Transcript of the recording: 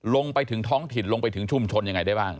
ลงไปถึงท้องถิ่นลงไปถึงชุมชนยังไงได้บ้าง